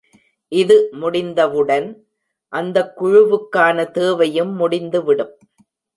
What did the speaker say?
இது முடிந்தவுடன், அந்தக் குழுவுக்கான தேவையும் முடிந்துவிடும்.